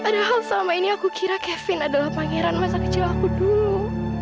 padahal selama ini aku kira kevin adalah pangeran masa kecil aku dulu